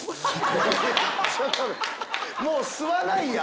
もう吸わないやん！